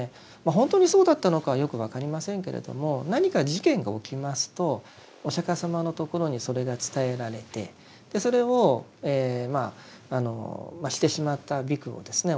本当にそうだったのかはよく分かりませんけれども何か事件が起きますとお釈迦様のところにそれが伝えられてそれをしてしまった比丘をですね